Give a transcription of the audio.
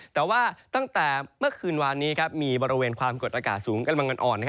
แต่ว่าตั้งแต่เมื่อคืนวานนี้มีบริเวณความกดอากาศสูงกำลังอ่อน